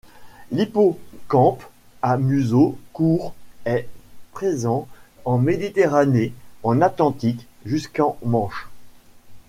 L'Hippocampe à museau court est présent en Méditerranée, en Atlantique jusqu'en Manche.